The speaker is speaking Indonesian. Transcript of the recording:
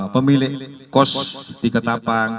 pemilik kos di ketapang